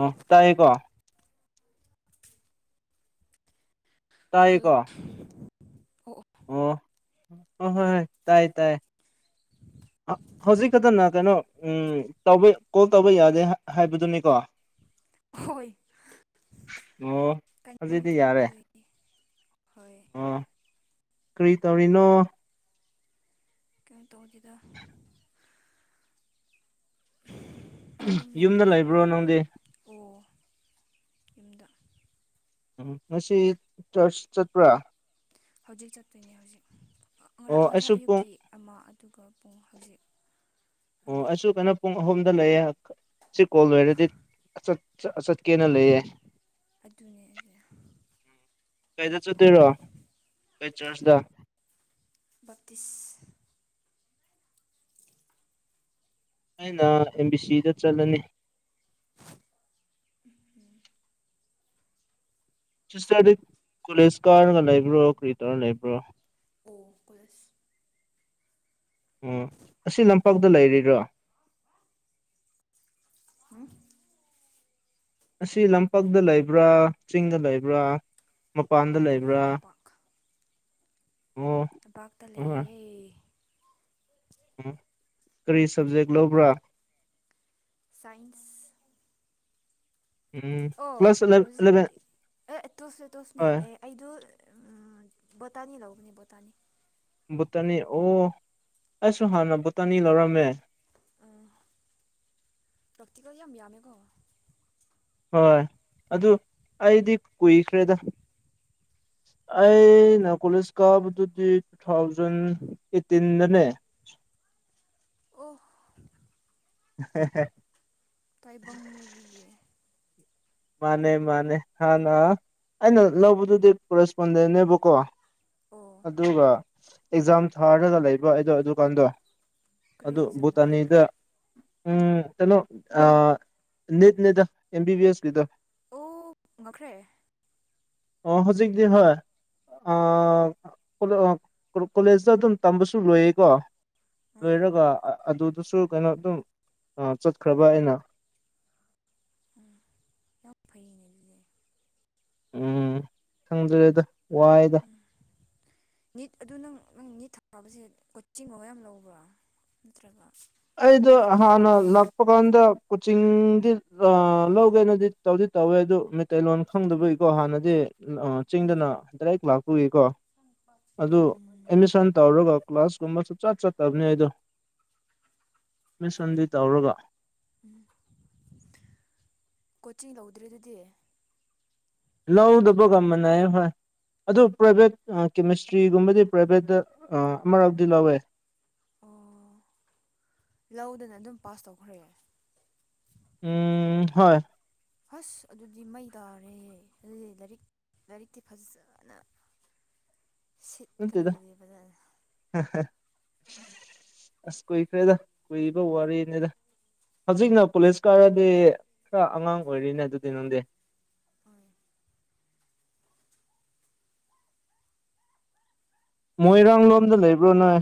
ꯑ ꯇꯏ ꯀꯣ ꯍꯜꯂꯣ ꯇꯥꯏꯌꯦꯀꯣ ꯑꯣ ꯍ ꯍ ꯇꯥꯏ ꯇꯥꯏ ꯍꯧꯖꯤꯛ ꯈꯛꯇꯅ ꯀꯩꯅꯣ ꯇꯧꯕ ꯀꯣꯜ ꯇꯧꯕ ꯌꯥꯗꯦ ꯍꯥꯏꯕꯗꯨꯅꯤꯀꯣ [inaudible] ꯍꯣꯏ ꯑꯣ ꯀꯩꯅꯩꯅꯣꯝ ꯍꯧꯖꯤꯛꯇꯤ ꯌꯥꯔꯦ ꯊꯣꯛꯄꯗꯗꯒꯤ ꯍꯣꯏ ꯑꯣ ꯀꯔꯤ ꯇꯧꯔꯤꯅꯣ ꯀꯝ ꯇꯣꯡꯣꯡꯗꯨꯗ ꯑꯗꯨꯝ ꯌꯨꯝꯗ ꯂꯩꯕ꯭ꯔꯣ ꯅꯪꯗꯤ ꯇꯨꯝꯗ ꯎꯝ ꯉꯁꯤ ꯆꯔꯆ ꯆꯠꯄ꯭ꯔꯥ ꯍꯧꯖꯤꯛ ꯆꯠꯇꯣꯏꯅꯦ ꯑꯣ ꯍꯧꯖꯤꯛꯥꯡ ꯑꯩꯁꯨ ꯉꯁꯥꯏ ꯄꯨꯡ ꯑꯌꯨꯛꯀꯤ ꯑꯃ ꯑꯗꯨꯒ ꯄꯨꯡ ꯍꯧꯖꯤꯛ ꯑꯣ ꯑꯃ ꯑꯩꯁꯨ ꯀꯩꯅꯣ ꯄꯨꯡ ꯑꯍꯨꯝ ꯂꯩꯌꯦꯦ ꯁꯤ ꯀꯣꯜ ꯂꯣꯏꯔꯗꯤ ꯆꯠꯀꯦꯅ ꯂꯩꯌꯦꯦ ꯑꯗꯨꯅꯤ ꯀꯩꯗ ꯆꯠꯇꯣꯏꯔꯣ ꯀꯩ ꯆꯔꯆꯇ ꯄꯤꯤꯁ ꯑꯩꯅ ꯑꯦꯝ ꯕꯤ ꯁꯤꯗ ꯆꯠꯂꯅꯤ ꯁꯤꯁꯇꯔꯗꯤ ꯀꯣꯂꯦꯖ ꯀꯥꯔꯅꯒ ꯂꯩꯕ꯭ꯔꯣ ꯀ꯭ꯔꯤꯇꯔ ꯂꯩꯕ꯭ꯔꯣ ꯑꯣ ꯁ ꯎꯝ ꯑꯁꯤ ꯂꯝꯄꯥꯛꯇ ꯂꯩꯔꯤꯔꯣ ꯑ ꯑꯁꯤ ꯂꯝꯄꯥꯛꯇ ꯂꯩꯕ꯭ꯔꯥ ꯆꯤꯡꯗ ꯂꯩꯕ꯭ꯔꯥ ꯃꯄꯥꯟꯗ ꯇꯝꯄꯥꯛ ꯂꯩꯕ꯭ꯔꯥ ꯑꯣ ꯄꯥꯇ ꯂꯩꯌꯦꯦ ꯎ ꯀꯔꯤ ꯁꯕꯖꯦꯛ ꯂꯧꯕ꯭ꯔꯥ ꯁꯥꯏꯟꯁ ꯎꯝ ꯑꯣ ꯀ꯭ꯂꯥꯁ ꯑꯦꯂꯚꯦꯟ ꯍꯧꯖꯤꯛꯀꯤ ꯑꯦ ꯇꯣꯁꯦ ꯇꯣꯁꯅꯦ ꯍꯣꯏ ꯑꯦ ꯑꯩꯗꯣ ꯇꯅꯤ ꯂꯧꯎꯅꯤ ꯕꯇꯥꯅꯤ ꯚꯕꯨꯇꯥꯅꯤ ꯑꯣ ꯑꯩꯁꯨ ꯍꯥꯟꯅ ꯚꯕꯨꯇꯥꯅꯤ ꯂꯧꯔꯝꯃꯦ ꯎꯝ ꯂꯥꯛꯇ ꯀ ꯌꯥꯝ ꯌꯥꯝꯃꯦꯀꯣ ꯍꯣꯏ ꯑꯗꯨ ꯑꯩꯗꯤ ꯀꯨꯏꯈ꯭ꯔꯦꯗ ꯑꯩꯅ ꯀꯣꯂꯦꯖ ꯀꯥꯕꯗꯨꯗꯤ ꯇꯨ ꯊꯥꯎꯖꯟ ꯑꯦꯠꯇꯤꯟꯗꯅꯦ [inaudible] [inaudible] [unintelligible] ꯇꯕꯦ ꯃꯥꯅꯦ ꯃꯥꯅꯦ ꯍꯥꯟꯅ ꯑꯩꯅ ꯂꯧꯕꯗꯨꯗꯤ ꯀꯣꯔꯦꯁꯄꯣꯟꯗꯦꯟꯅꯦꯕꯀꯣ ꯑꯣ ꯑꯗꯨꯒ ꯑꯦꯛꯖꯥꯝ ꯊꯥꯔꯒ ꯂꯩꯕ ꯑꯩꯗꯣ ꯑꯗꯨꯀꯥꯟꯗꯣ ꯀꯔꯤ ꯑꯗꯨ ꯑꯦꯛꯖꯥꯝꯔꯥ ꯚꯨꯇꯥꯅꯤꯗ ꯎꯝ ꯀꯩꯅꯣ ꯑ ꯅꯅꯤꯠꯅꯦꯗ ꯑꯦꯝ ꯕꯤ ꯕꯤ ꯑꯦꯁꯀꯤꯗ ꯑꯣ ꯉꯈ꯭ꯔꯦ ꯑ ꯍꯧꯖꯤꯛꯗꯤ ꯍ ꯑ ꯀꯣꯂꯦꯖꯇ ꯑꯗꯨꯝ ꯇꯝꯕꯁꯨ ꯂꯣꯏꯌꯦꯀꯣ ꯎꯝ ꯂꯣꯏꯔꯒ ꯑꯗꯨꯗꯁꯨ ꯀꯩꯅꯣ ꯑꯗꯨꯝ ꯆꯠꯈ꯭ꯔꯕ ꯑꯩꯅ ꯌꯥꯝ ꯐꯩꯅꯦ ꯑꯗꯨꯗꯤ ꯎꯝ ꯈꯪꯗ꯭ꯔꯦꯗ ꯋꯥꯏꯗ ꯅꯤꯠ ꯑꯗꯨ ꯅꯪ ꯅꯪ ꯅꯤꯠ ꯊꯥꯕꯁꯦ ꯀꯣꯆꯤꯡꯒ ꯌꯥꯝ ꯂꯧꯕ꯭ꯔꯥ ꯅꯠꯇ꯭ꯔꯒ ꯑꯩꯗꯣ ꯍꯥꯟꯅ ꯂꯥꯛꯄ ꯀꯥꯟꯗ ꯀꯣꯆꯤꯡꯗꯤ ꯂꯧꯒꯦꯅꯗꯤ ꯇꯧ ꯇꯧꯋꯦ ꯑꯗꯨ ꯃꯩꯇꯩꯂꯣꯟ ꯈꯪꯗꯕꯒꯤꯀꯣ ꯍꯥꯟꯅꯗꯤ ꯎꯝ ꯆꯤꯡꯗꯅ ꯗꯥꯏꯔꯦꯛ ꯂꯥꯛꯄꯒꯤ ꯀꯣ ꯑꯗꯨ ꯑꯦꯠꯃꯤꯁꯟ ꯇꯧꯔꯒ ꯀ꯭ꯂꯥꯁꯀꯨꯝꯕ ꯆꯠ ꯆꯠꯇꯕꯅꯤ ꯑꯩꯗꯣ ꯃꯤꯁꯟꯗꯤ ꯇꯧꯔꯒ ꯎꯝ ꯀꯣꯆꯤꯡ ꯂꯧꯗ꯭ꯔꯦ ꯑꯗꯨꯗꯤ ꯂꯎꯗ ꯄꯣ ꯀꯃꯅ ꯍꯣꯏ ꯑꯗꯨ ꯄ꯭ꯔꯥꯏꯚꯦꯠ ꯀꯦꯃꯤꯁꯇ꯭ꯔꯤꯒꯨꯝꯕꯗꯤ ꯄ꯭ꯔꯥꯏꯚꯦꯠꯇ ꯑꯃꯔꯥꯎꯗꯤ ꯂꯧꯋꯦ ꯑꯣ ꯂꯧꯗꯅ ꯑꯗꯨꯝ ꯄꯥꯁ ꯇꯧꯈ꯭ꯔꯦ ꯎꯝ ꯍꯣꯏ ꯐꯁ ꯑꯗꯨꯗꯤ ꯃꯩ ꯇꯥꯔꯦ ꯑꯗꯨꯗꯤ ꯂꯥꯏꯔꯤꯛ ꯂꯥꯏꯔꯤꯛꯇꯤ ꯐꯖꯅ [inaudible] ꯅꯠꯇꯦꯗ ꯁꯤꯠꯀꯔꯤꯗꯗꯤꯕꯖꯥꯗ ꯑꯁ ꯀꯨꯏꯈ꯭ꯔꯦꯗ ꯀꯨꯏꯔꯤꯕ ꯋꯥꯔꯤꯅꯤꯗ ꯍꯧꯖꯤꯛꯅ ꯄꯨꯂꯤꯁ ꯀꯥꯔꯗꯤ ꯈꯔ ꯑꯉꯥꯡ ꯑꯣꯏꯔꯤꯅꯦ ꯑꯗꯨꯗꯤ ꯅꯪꯗꯤ ꯍꯣꯏ ꯃꯣꯏꯔꯥꯡ ꯂꯣꯝꯗ ꯂꯩꯕ꯭ꯔꯣ ꯅꯣꯏ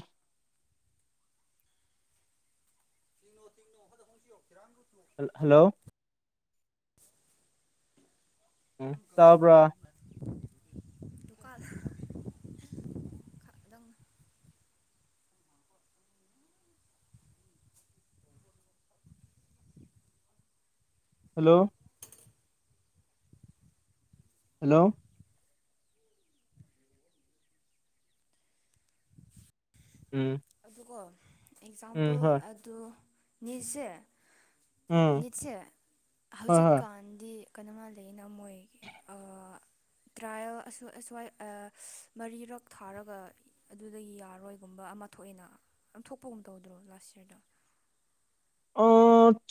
ꯇꯣ ꯇꯅꯣꯣꯟꯁꯤ ꯈꯔ ꯦꯜ ꯍꯜꯂꯣ ꯎꯝ ꯇꯥꯕ꯭ꯔꯥ ꯇꯣꯛꯀꯗ ꯈ ꯑꯗꯨꯝ ꯍꯜꯂꯣ ꯍꯜꯂꯣ ꯎꯝ ꯀꯣ ꯎꯝ ꯑꯦꯛꯖꯥꯝꯄꯜ ꯍꯣꯏ ꯑꯗꯨ ꯁꯦ ꯎꯝ ꯅꯤꯠꯁꯦ ꯍꯣꯏ ꯍꯣꯏ ꯍꯧꯖꯤꯛꯀꯥꯟꯗꯤ ꯀꯩꯅꯣꯃꯜꯜꯂꯤ ꯑꯅ ꯃꯣꯏꯒꯤ ꯇ꯭ꯔꯥꯌꯦꯜ ꯑꯁ꯭ꯋꯥ ꯃꯔꯤꯔꯛ ꯊꯥꯔꯒ ꯑꯗꯨꯗꯒꯤ ꯌꯥꯔꯣꯏꯒꯨꯝꯕ ꯑꯃ ꯊꯣꯛꯑꯏꯅ ꯂꯧꯊꯣꯛꯄꯒꯨꯝ ꯇꯧꯗ꯭ꯔꯣ ꯂꯥꯁ ꯌꯌꯥꯔꯗ ꯑ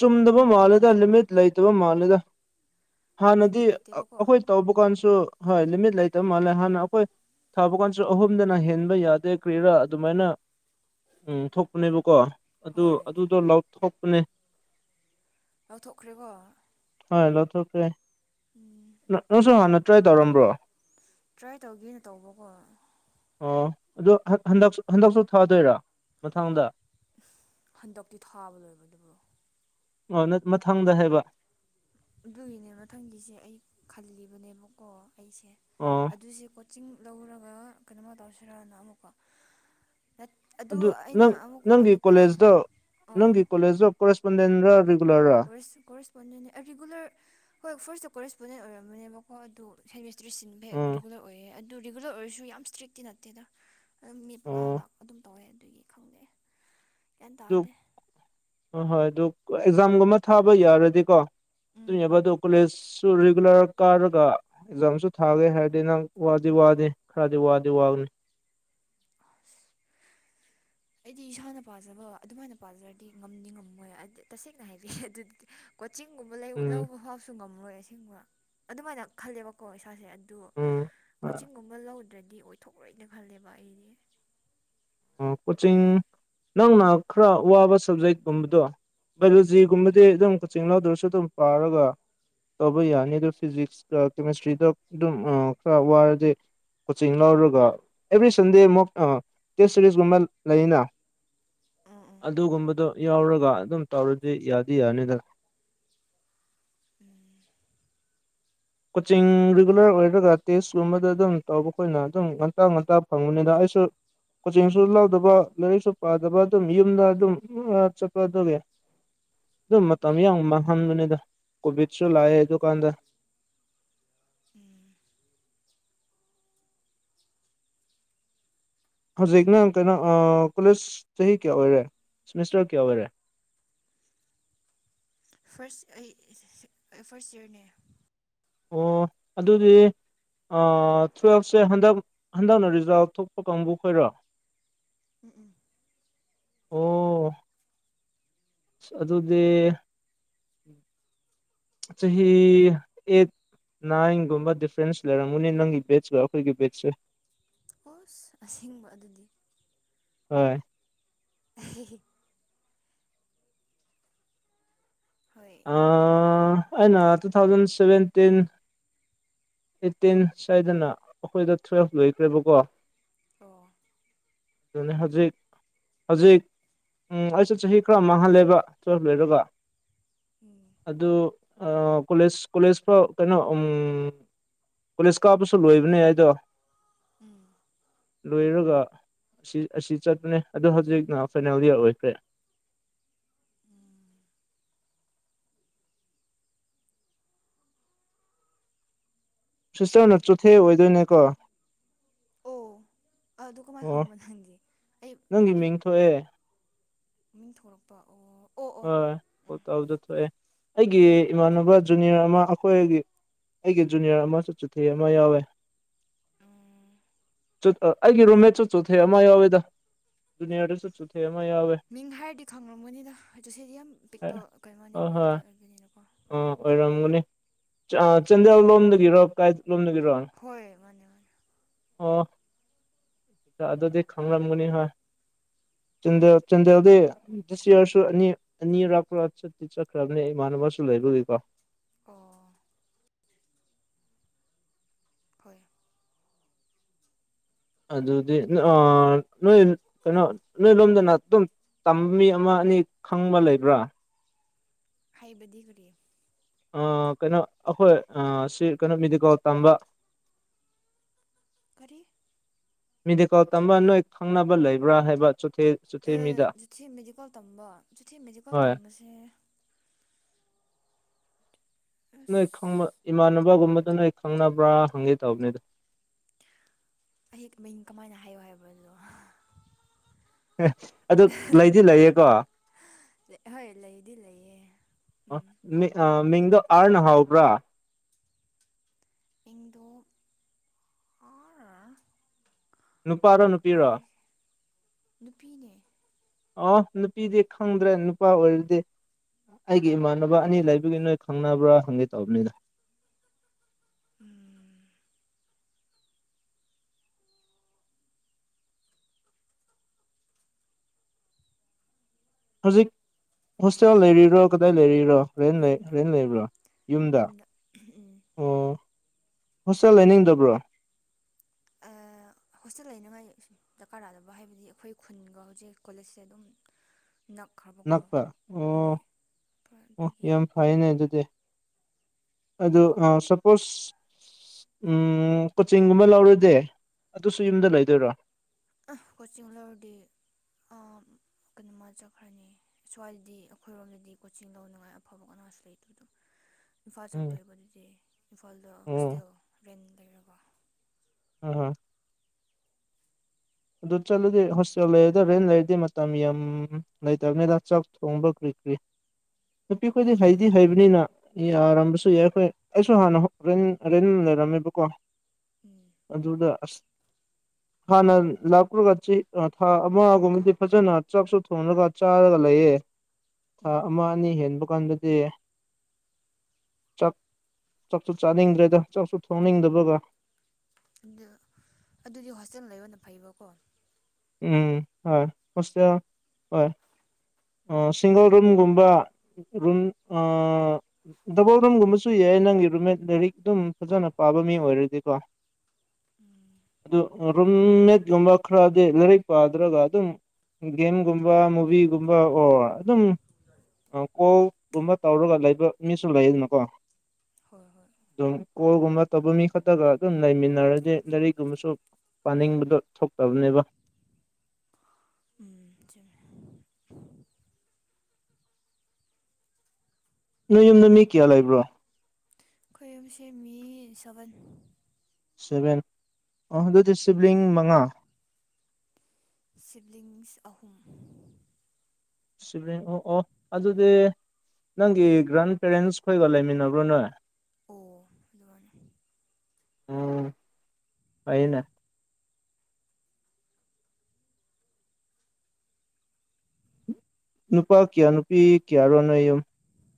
ꯆꯨꯝꯗꯕ ꯃꯥꯜꯂꯦꯗ ꯂꯤꯃꯤꯠ ꯂꯩꯇꯕ ꯃꯥꯜꯂꯦꯗ ꯍꯥꯟꯅꯗꯤ ꯂꯤꯃꯤꯠ ꯂꯩꯇꯦꯕꯀꯣ ꯑꯩꯈꯣꯏ ꯇꯧꯕ ꯀꯥꯟꯁꯨ ꯍꯣꯏ ꯂꯤꯃꯤꯠ ꯂꯩꯇꯕ ꯃꯥꯜꯂꯦ ꯍꯥꯟꯅ ꯑꯩꯈꯣꯏ ꯊꯥꯕ ꯀꯥꯡꯁꯨ ꯑꯍꯨꯝꯗꯅ ꯍꯦꯟꯕ ꯌꯥꯗꯦ ꯀ꯭꯭ꯔꯦꯔꯥ ꯑꯗꯨꯃꯥꯏꯅ ꯎꯝ ꯊꯣꯛꯄꯅꯦꯕꯀꯣ ꯑꯗꯨ ꯍꯣꯏ ꯑꯗꯨꯗꯣ ꯂꯥꯎꯊꯣꯛꯄꯅꯦ ꯂꯧꯊꯣꯛꯈ꯭ꯔꯦꯕꯣ ꯍꯣꯏ ꯂꯧꯊꯣꯛꯈ꯭ꯔꯦ ꯅꯪꯁꯨ ꯍꯥꯟꯅ ꯇ꯭ꯔꯥꯏ ꯇꯧꯔꯝꯕ꯭ꯔꯣ ꯇ꯭ꯔꯥꯏ ꯇꯧꯒꯦꯅ ꯇꯧꯕꯀꯣ ꯑꯣ ꯑꯗꯨꯗꯣ ꯍꯟꯗ ꯍꯟꯗꯛꯁꯨ ꯊꯥꯗꯣꯏꯔꯥ ꯃꯊꯥꯡꯗ ꯍꯟꯗꯛꯇꯛꯇꯤ ꯊꯥꯕ ꯂꯣꯏꯕ ꯑꯗꯨꯕꯨ꯭ꯔꯣ ꯑꯣ ꯃꯊꯪꯗ ꯍꯥꯏꯕ ꯑꯗꯨꯒꯤꯅꯦ ꯃꯊꯪꯒꯤꯁꯦ ꯑꯩ ꯈꯜꯂꯤꯕꯅꯦꯕꯀꯣ ꯑꯩꯁꯦ ꯑꯣ ꯑꯗꯨꯁꯦ ꯆꯤꯡ ꯂꯧꯔꯒ ꯀꯩꯅꯣꯃ ꯇꯧꯁꯤꯔꯅ ꯑꯃꯨꯛꯀꯣ ꯑꯗꯨ ꯑꯩꯅ ꯅꯪ ꯑꯃꯨꯛꯀ ꯅꯪꯒꯤ ꯑꯇꯣꯞꯄꯅ ꯀꯣꯂꯦꯖꯇꯣ ꯅꯪꯒꯤ ꯀꯣꯂꯦꯖꯇꯣ ꯀꯣꯔꯦꯁꯄꯣꯟꯗꯦꯟ ꯀꯣꯔ ꯀꯣꯔꯁꯔꯤꯒꯂꯔ ꯍꯣꯏ ꯐ ꯀꯣꯔꯦꯁꯄꯣꯟꯗꯦꯟ ꯑꯣꯏꯔꯝꯕꯅꯦꯕꯀꯣ ꯑꯗꯨ ꯍꯦꯃꯤꯁꯇ꯭ꯔꯤ ꯁꯤꯟꯕ ꯍꯦꯛ ꯎꯝ ꯔꯤꯒꯨꯂꯔ ꯑꯣꯏꯌꯦ ꯑꯗꯨ ꯔꯤꯒꯨꯂꯔ ꯑꯣꯏꯔꯁꯨ ꯌꯥꯝ ꯏꯁꯇ꯭ꯔꯤꯛꯇꯤ ꯅꯠꯇꯦꯗ ꯑꯗꯨꯝ ꯃꯤ ꯃꯉꯥ ꯑꯣ ꯂꯥꯛ ꯑꯗꯨꯝ ꯇꯧꯋꯦ ꯑꯗꯨ ꯀꯦꯟꯗ ꯑꯗꯦ ꯑ ꯍꯣꯏ ꯑꯗꯨ ꯑꯦꯛꯖꯥꯝꯒꯨꯝꯕ ꯊꯥꯕ ꯌꯥꯔꯗꯤꯀꯣ ꯎꯝ ꯑꯗꯨꯕ ꯑꯗꯨ ꯀꯣꯂꯦꯖꯁꯨ ꯔꯤꯒꯨꯂꯔ ꯀꯥꯔꯒ ꯑꯦꯛꯖꯥꯝꯁꯨ ꯊꯥꯒꯦ ꯍꯥꯏꯔꯗꯤ ꯅꯪ ꯋꯥꯗꯤ ꯋꯥꯗ ꯈꯔꯗ ꯋꯥꯗ ꯋꯥꯒꯅꯤ ꯑꯩꯗꯤ ꯏꯁꯥꯅ ꯄꯥꯖꯕ ꯑꯗꯨꯃꯥꯏꯅ ꯄꯥꯖꯔꯗꯤ ꯉꯝꯗꯤ ꯉꯝꯃꯣꯏ ꯇꯁꯦꯡꯅ ꯍꯥꯏꯔꯦ ꯑꯗꯨꯗꯤ ꯆꯤꯡꯒꯨꯝꯕ ꯎꯝ ꯂꯧꯕ ꯐꯥꯎꯕꯁꯨ ꯉꯝꯃꯣꯏ ꯑꯁꯤꯒꯨꯝꯕ ꯑꯗꯨꯃꯥꯏꯅ ꯈꯜꯂꯦꯕꯀꯣ ꯏꯁꯥꯁꯦ ꯑꯗꯨ ꯎꯝ ꯀꯣꯆꯤꯡꯒꯨꯝꯕ ꯂꯧꯗ꯭ꯔꯗꯤ ꯑꯣꯏꯊꯣꯛꯂꯣꯏꯅ ꯈꯜꯂꯦꯕ ꯑꯩꯗꯤ ꯀꯣꯆꯤꯡ ꯅꯪꯅ ꯈꯔ ꯋꯥꯕ ꯁꯕꯖꯦꯛꯀꯨꯝꯕꯗꯣ ꯎꯝ ꯒꯂꯨꯖꯤꯒꯨꯝꯕꯗꯤ ꯑꯗꯨꯝ ꯀꯛꯆꯤꯡ ꯂꯧꯎꯗꯔꯁꯨ ꯑꯗꯨꯝ ꯄꯥꯔꯒ ꯇꯧꯕ ꯌꯥꯅꯤ ꯑꯗꯨ ꯐꯤꯖꯤꯛꯁꯇ ꯀꯦꯃꯤꯁꯇ꯭ꯔꯤꯗ ꯑꯗꯨꯝ ꯈꯔ ꯋꯥꯔꯗꯤꯦ ꯀꯣꯆꯤꯡ ꯂꯧꯔꯒ ꯑꯦꯕ꯭ꯔꯤ ꯁꯟꯗꯦ ꯑꯃꯨꯛ ꯇꯦꯁ ꯁꯦꯔꯤꯁꯀꯨꯝꯕ ꯂꯩꯅ ꯎꯝ ꯎꯝ ꯑꯗꯨꯒꯨꯝꯕꯗꯨꯣ ꯌꯥꯎꯔꯒ ꯑꯗꯨꯝ ꯇꯧꯔꯗꯤ ꯌꯥꯗꯤ ꯌꯥꯅꯤꯗ [inaudible] ꯎꯝ ꯀꯣꯆꯤꯡ ꯔꯤꯒꯨꯂꯔ ꯑꯣꯏꯔꯒ ꯇꯦꯁꯀꯨꯝꯕꯗ ꯑꯗꯨꯝ ꯇꯧꯕ ꯑꯩꯈꯣꯏꯅ ꯑꯗꯨꯝ ꯉꯇ ꯉꯥꯛꯇ ꯐꯪꯕꯅꯤꯗ ꯑꯩ ꯁꯣ ꯀꯣꯆꯤꯡꯁꯨ ꯂꯥꯎꯗꯕ ꯂꯥꯏꯔꯤꯛꯁꯨ ꯄꯥꯗꯕ ꯑꯗꯨꯝ ꯌꯨꯝꯗ ꯑꯗꯨꯝ ꯆꯠꯄꯗꯧꯏ ꯑꯗꯨ ꯃꯇꯝ ꯌꯥꯝ ꯃꯥꯡꯍꯟꯕꯅꯤꯗ ꯀꯣꯚꯤꯠꯁꯨ ꯂꯥꯛꯑꯦ ꯍꯣꯏ ꯑꯗꯨꯗꯨꯀꯥꯟꯗ ꯎꯝ ꯍꯧꯖꯤꯛꯅꯪ ꯀꯩꯅꯣ ꯀꯣꯂꯦꯖ ꯆꯍꯤ ꯀꯌꯥ ꯑꯣꯏꯔꯦ ꯁꯤꯦꯃꯤꯁꯇꯔ ꯀꯌꯥ ꯑꯣꯏꯔꯦ [inaudible] ꯑꯩ ꯐꯥꯔꯁ ꯏꯌꯥꯔꯅꯦ ꯑꯣ ꯑꯗꯨꯗꯤ ꯇꯨꯋꯜꯞꯁꯦ ꯍꯟꯗꯛ ꯍꯟꯗꯛꯅ ꯔꯤꯖꯥꯜ ꯊꯣꯛꯄ ꯀꯥꯡꯕꯨ ꯈꯣꯏꯔꯣ ꯎꯝ ꯎꯝ ꯑꯣ ꯑꯗꯨꯗꯤ ꯆꯍꯤ ꯆꯍꯤ ꯑꯦ ꯅꯥꯏꯟꯒꯨꯝꯕ ꯗꯤꯐ꯭ꯔꯦꯟꯁ ꯂꯩꯔꯝꯃꯨꯅꯦ ꯅꯪꯒꯤ ꯕꯦꯠꯁꯀ ꯑꯩꯈꯣꯏꯒꯤ ꯕꯦꯠꯁꯦ ꯑꯣꯁ ꯑꯁꯦꯡꯕ ꯑꯗꯨꯗꯤ ꯍꯣꯏ [inaudible] ꯍꯣꯏ ꯎꯝ ꯑꯩꯅ ꯇꯨ ꯊꯥꯎꯖꯟ ꯁꯚꯦꯟꯇꯤꯟ ꯑꯩꯠꯇꯤꯟ ꯁ꯭ꯋꯥꯗꯅ ꯑꯩꯈꯣꯏꯗ ꯇꯨꯋꯦꯜꯐ ꯂꯣꯏꯈ꯭ꯔꯦꯕꯀꯣ ꯑꯣꯣ ꯑꯗꯨ ꯍꯧꯖꯤꯛ ꯍꯧꯖꯤꯛ ꯎꯝ ꯑꯩꯁꯨ ꯆꯍꯤ ꯈꯔ ꯃꯥꯡꯍꯜꯂꯦꯕ ꯇꯨꯋꯦꯜꯞ ꯂꯩꯣꯏꯔꯒ ꯎꯝ ꯑꯗꯨ ꯀꯣꯂꯦꯖ ꯀꯣꯂꯦꯖ ꯐꯥꯎ ꯀꯩꯅꯣ ꯄꯨꯂꯤꯁ ꯀꯥꯞꯄꯁꯨ ꯂꯣꯏꯕꯅꯦ ꯑꯩꯗꯣ ꯎꯝ ꯂꯣꯏꯔꯒ ꯑꯁꯤ ꯆꯠꯄꯅꯦ ꯑꯗ ꯍꯧꯖꯤꯛꯅ ꯐꯥꯏꯅꯦꯜ ꯏꯌꯥꯔ ꯑꯣꯏꯈ꯭ꯔꯦ [unintelligible] ꯁꯤꯁꯇꯔꯅ ꯆꯣꯊꯦ ꯑꯣꯏꯗꯣꯏꯅꯦ ꯀꯣ ꯑ ꯑꯗꯨ ꯀꯃꯥꯏꯅ ꯈꯪꯕꯣ ꯅꯪꯒꯤ ꯅꯪꯒꯤ ꯃꯤꯡ ꯊꯣꯛꯑꯦ ꯃꯤꯡ ꯊꯣꯛꯂꯛꯄ ꯑꯣ ꯑꯣ ꯍꯣꯏ ꯇꯗ ꯊꯣꯛꯑꯦ ꯑꯩꯒꯤ ꯏꯃꯥꯟꯅꯕ ꯖꯨꯅꯤꯌꯔ ꯑꯃ ꯑꯩꯈꯣꯏꯒꯤ ꯑꯩꯒꯤ ꯖꯨꯅꯤꯌꯔ ꯑꯃꯁꯨ ꯆꯤꯊꯤ ꯑꯃ ꯌꯥꯎꯋꯦ ꯎꯝ ꯑꯩꯒꯤ ꯔꯨꯝꯃꯦ ꯆꯠ ꯆꯨꯊꯩ ꯑꯃ ꯌꯥꯎꯋꯦꯗ ꯗꯨꯅꯤꯌꯥꯗ ꯆꯠ ꯆꯨꯊꯩ ꯑꯃ ꯌꯥꯎꯋꯦ ꯃꯤꯡ ꯍꯥꯏꯔꯗꯤ ꯈꯪꯂꯝꯝꯒꯅꯤꯗ ꯗꯣ ꯁꯤꯗꯤ ꯌꯥꯝ ꯍꯣꯏ ꯄꯤꯛꯄ ꯀꯩꯅꯣꯅꯦꯕꯖꯥꯠ ꯍꯣꯏ ꯑꯥ ꯑꯣꯏꯕꯅꯤꯅꯀꯣ ꯑꯣꯏꯔꯝꯒꯅꯤ ꯆꯥꯟꯗꯦꯜ ꯂꯣꯝꯗꯒꯤꯔꯣ ꯀ ꯍꯣꯏ ꯃꯥꯅꯦꯅꯦ ꯑꯣꯐ ꯗꯗꯤ ꯈꯪ ꯃꯒꯨꯅꯤ ꯍꯥꯏ ꯆꯟꯗ ꯆꯟꯗꯗꯤꯁꯤ ꯅꯤꯅꯤꯔꯀ ꯆꯀ꯭ꯔ ꯃꯥꯅ ꯃꯁꯨ ꯂꯩ ꯍꯥꯏꯔꯨꯒꯦꯀꯣ ꯑꯣ ꯍꯣꯏ ꯑꯗꯨꯗꯤ ꯅꯣꯏ ꯀꯩꯅꯣ ꯅꯣꯏ ꯂꯣꯝꯗꯅ ꯑꯗꯨꯝ ꯇ ꯃꯤ ꯑꯃ ꯑꯅꯤ ꯈꯪꯕ ꯂꯩꯕ꯭ꯔꯥ ꯍꯥꯏꯩꯕꯗꯤ ꯀꯔꯤ ꯀꯩꯅꯣ ꯑꯩꯈꯣꯏ ꯁꯤ ꯀꯩꯅꯣ ꯃꯦꯗꯤꯀꯣꯜ ꯇꯝꯕ ꯀꯔꯤ ꯃꯤꯗꯤꯀꯥꯎ ꯇꯝꯕ ꯅꯣꯏ ꯈꯪꯅꯕ ꯂꯩꯕ꯭ꯔꯥ ꯍꯥꯏꯕ ꯆꯣꯊꯦ ꯆꯣꯊꯦ ꯑꯦ ꯃꯤꯗ ꯆꯨꯊꯤ ꯃꯦꯖꯤꯀꯣꯜ ꯇꯝꯕ ꯆꯨꯊꯤ ꯃꯦꯖꯤꯀꯣꯜ ꯍꯣꯏ ꯇꯝꯕꯁꯦ ꯅꯣꯏ ꯑꯁ ꯈꯪꯕ ꯏꯃꯥꯟꯅꯕꯒꯨꯝꯕ ꯑꯗꯨꯅ ꯑꯩ ꯈꯪꯅꯕ꯭ꯔꯥ ꯍꯪꯒꯦ ꯇꯧꯕꯅꯤꯗ ꯑꯩ ꯃꯡ ꯀꯃꯥꯏꯅ ꯍꯥꯏꯌꯣ ꯍꯥꯏꯕꯅꯣ ꯑꯦ ꯑꯗꯨ ꯂꯩꯗꯤ ꯂꯩꯌꯦꯀꯣ ꯍꯣꯏ ꯂꯩꯗꯤ ꯂꯩꯌꯦ ꯎꯝ ꯃꯃꯤꯡꯗꯣ ꯑꯥꯔꯅ ꯍꯥꯎꯕ꯭ꯔꯥ ꯏꯗꯨ ꯑ ꯅꯨꯄꯥꯔꯣ ꯅꯨꯄꯤꯔꯣ ꯅꯨꯄꯤꯅꯦ ꯑ ꯅꯨꯄꯤꯗꯤ ꯈꯪꯗ꯭ꯔꯦ ꯅꯨꯄꯥ ꯑꯣꯏꯔꯗꯤ ꯑꯩꯒꯤ ꯏꯃꯥꯟꯅꯕ ꯑꯅꯤ ꯂꯩꯕꯒꯤ ꯅꯣꯏ ꯈꯪꯅꯕ꯭ꯔꯥ ꯍꯪꯒꯦ ꯇꯧꯕꯅꯤꯗ ꯎꯝ ꯍꯧꯖꯤꯛ ꯍꯣꯁꯇꯦꯜ ꯂꯩꯔꯤꯕꯔꯣ ꯀꯗꯥꯏ ꯂꯩꯔꯤꯕꯔꯤꯔꯣ ꯔꯦꯟ ꯂꯩ ꯌꯨꯝꯗ ꯔꯦꯟ ꯂꯩꯕ꯭ꯔꯣ ꯌꯨꯝꯗ ꯎꯝ ꯑꯣ ꯍꯣꯁꯇꯦꯜ ꯂꯩꯅꯤꯡꯗꯕ꯭ꯔꯣ ꯍꯣꯁꯇꯦꯜ ꯂꯩꯅꯉꯥꯏ ꯗꯔꯀꯥꯔꯥꯗꯕ ꯍꯥꯏꯕꯗꯤ ꯑꯩꯈꯣꯏ ꯈꯨꯟꯒ ꯍꯧꯖꯤꯛ ꯀꯣꯂꯦꯖꯁꯦ ꯑꯗꯨꯝ ꯅꯛꯈ꯭ꯔꯕꯀꯣ ꯅꯛꯄ ꯑꯣ ꯂꯣꯏ ꯑꯣ ꯑꯗꯨꯒꯤ ꯌꯥꯝ ꯐꯩꯅꯦ ꯑꯗꯨꯗꯤ ꯑ ꯑ ꯁꯄꯣꯁ ꯎꯝ ꯀꯣꯆꯤꯡꯒꯨꯝꯕ ꯂꯧꯔꯗꯤꯦ ꯑꯗꯨꯁꯨ ꯌꯨꯝꯗ ꯂꯩꯗꯣꯏꯔꯣ ꯀꯆꯤꯡꯂ ꯑꯗꯤ ꯀꯩꯅꯣꯃ ꯆꯠꯈ꯭ꯔꯅꯤ ꯁ꯭ꯋꯥꯏꯗꯗꯤ ꯑꯩꯈꯣꯏꯔꯣꯝꯗꯗꯤ ꯀꯣꯆꯤꯡ ꯂꯧꯅꯉꯥꯏ ꯑꯐꯕ ꯀꯣ ꯑꯁ ꯑꯗꯨꯣ [unintelligible] ꯏꯝꯐꯥꯜ ꯆꯠꯇꯣꯏꯕ ꯑꯗꯨꯗꯤ ꯏꯝꯐꯥꯜꯗ ꯑꯣ ꯍꯣꯁꯇꯦꯜ ꯔꯦꯟ ꯂꯩꯔꯕ ꯑꯣ ꯑꯗꯨ ꯆꯠꯂꯨꯗꯤ ꯍꯣꯁꯇꯦꯜ ꯂꯩꯔꯗ ꯔꯦꯟ ꯂꯩꯔꯗꯤ ꯃꯇꯝ ꯌꯥꯝ ꯂꯩꯇꯕꯅꯤꯅ ꯆꯥꯛ ꯊꯣꯡꯕ ꯀ꯭ꯔꯤ ꯀ꯭ꯔꯤ ꯅꯨꯄꯤꯈꯣꯏꯗꯤ ꯍꯩꯗꯤ ꯍꯣꯏ ꯍꯩꯕꯅꯤꯅ ꯌꯥꯔꯝꯕꯁꯨ ꯌꯥꯏ ꯑꯩꯈꯣꯏ ꯑꯩꯁꯨ ꯍꯥꯟꯅꯦꯟ ꯔꯦꯟ ꯂꯩꯔꯝꯃꯦꯕꯀꯣ ꯎꯝ ꯑꯗꯨꯗꯁ ꯍꯅ ꯂꯥꯂ꯭ꯔꯒ ꯊꯥ ꯑꯃꯒꯨꯝꯕꯗꯤ ꯐꯖꯅ ꯆꯥꯛꯁꯨ ꯊꯣꯡꯉꯒ ꯆꯥꯔꯒ ꯂꯩꯌꯦ ꯊꯥ ꯎꯝ ꯑꯃ ꯑꯅꯤ ꯍꯦꯟꯕ ꯀꯥꯟꯗꯗꯤ ꯆꯥꯛ ꯆꯥꯛꯁꯨ ꯆꯥꯅꯤꯡꯗ꯭ꯔꯦꯗ ꯆꯥꯛꯁꯨ ꯊꯣꯡꯅꯤꯡꯗꯕꯒ ꯑꯗꯨ ꯑꯗꯨꯗꯤ ꯍꯣꯁꯇꯦꯜ ꯂꯩꯕꯅ ꯐꯩꯕꯀꯣ ꯎꯝ ꯍꯣꯏ ꯍꯁ ꯍꯣꯏ ꯁꯤꯡꯒꯜ ꯔꯨꯝꯒꯨꯝꯕ ꯔꯨꯝ ꯗꯕꯜ ꯔꯨꯝꯒꯨꯝꯕꯁꯨ ꯌꯥꯏ ꯅꯪꯒꯤ ꯔꯨꯝꯃꯦꯠ ꯂꯥꯏꯔꯤꯛ ꯑꯗꯨꯝ ꯐꯖꯅ ꯄꯥꯕ ꯃꯤ ꯑꯣꯏꯔꯗꯤꯀꯣ ꯑꯗꯨ ꯔꯨꯝꯃꯤꯠꯒꯨꯝꯕ ꯈꯔ ꯑ ꯂꯥꯏꯔꯤꯛ ꯄꯥꯗ꯭ꯔꯒ ꯑꯗꯨꯝ ꯒꯦꯝꯒꯨꯝꯕ ꯃꯨꯚꯤꯒꯨꯝꯕ ꯑꯣꯔ ꯑꯗꯨꯝ ꯀꯣꯜꯒꯨꯝꯕ ꯇꯧꯔꯒ ꯂꯩꯕ ꯃꯤꯁꯨ ꯂꯩꯗꯅꯀꯣ ꯍꯣꯏ ꯍꯣꯏ ꯑꯗꯨꯝ ꯀꯣꯜꯒꯨꯝꯕ ꯇꯧꯕ ꯃꯤ ꯈꯛꯇꯒ ꯑꯗꯨꯝ ꯂꯩꯃꯤꯟꯅꯔꯗꯤ ꯂꯥꯏꯔꯤꯛꯀꯨꯝꯕꯁꯨ ꯄꯥꯅꯤꯡꯕꯗꯣ ꯊꯣꯛꯇꯕꯅꯦꯕ ꯎ ꯅꯣꯏ ꯌꯨꯝꯗ ꯃꯤ ꯀꯌꯥ ꯂꯩꯕ꯭ꯔꯣ ꯑꯩꯈꯣꯏꯁꯦ ꯃꯤ ꯁꯕꯟ ꯁꯚꯦꯟ ꯑꯗꯨꯗꯤ ꯁꯤꯕꯂꯤꯡ ꯃꯉꯥ ꯁꯤꯕꯂꯤꯡꯁ ꯑꯍꯨꯝ ꯁꯤꯕ ꯑꯣ ꯑꯣ ꯑꯗꯨꯗꯤ ꯅꯪꯒꯤ ꯒ꯭ꯔꯥꯟ ꯄꯦꯔꯦꯟꯁ ꯈꯣꯏꯒ ꯂꯩꯃꯤꯟꯅꯕ꯭ꯔꯣ ꯅꯣꯏ ꯑꯣ ꯑꯗꯨ ꯎꯝ ꯐꯩꯅ ꯅꯨꯄꯥ ꯀ꯭ꯌꯥ ꯅꯨꯄꯤ ꯀꯌꯥ ꯔꯣꯅꯌꯨꯝ